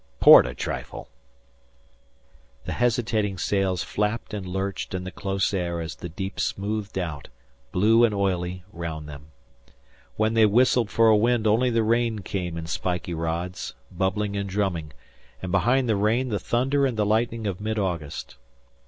Port a trifle." The hesitating sails flapped and lurched in the close air as the deep smoothed out, blue and oily, round them. When they whistled for a wind only the rain came in spiky rods, bubbling and drumming, and behind the rain the thunder and the lightning of mid August.